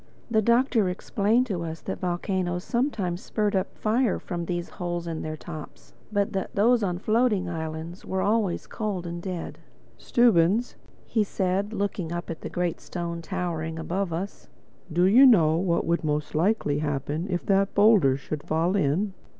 The Doctor explained to us that volcanoes sometimes spurted up fire from these holes in their tops; but that those on floating islands were always cold and dead. "Stubbins," he said, looking up at the great stone towering above us, "do you know what would most likely happen if that boulder should fall in?"